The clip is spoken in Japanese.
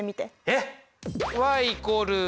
えっ。